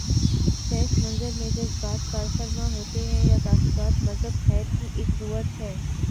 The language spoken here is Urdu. پس منظر میں جذبات کارفرما ہوتے ہیں یا تعصبات مذہب خیر کی ایک قوت ہے۔